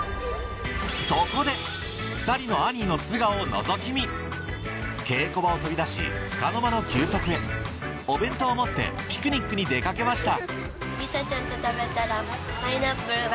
そこで２人のアニーの素顔をのぞき見稽古場を飛び出しつかの間の休息へお弁当を持ってピクニックに出かけました